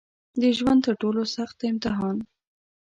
د ژوند تر ټولو سخت امتحان